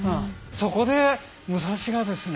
そこで武蔵がですね